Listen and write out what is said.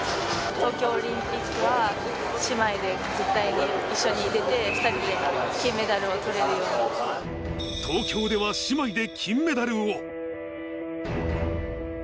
東京オリンピックは、姉妹で絶対に一緒に出て、東京では姉妹で金メダルを。